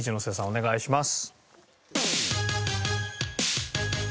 お願いします。